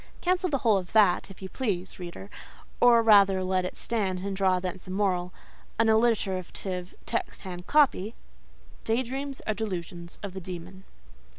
Cancel the whole of that, if you please, reader—or rather let it stand, and draw thence a moral—an alliterative, text hand copy— Day dreams are delusions of the demon.